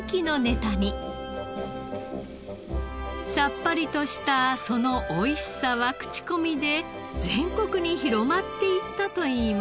さっぱりとしたそのおいしさは口コミで全国に広まっていったといいます。